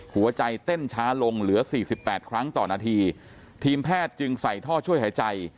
หัวใจเต้นช้าลงเหลือสี่สิบแปดครั้งต่อนาทีทีมแพทย์จึงใส่ท่อช่วยหายใจ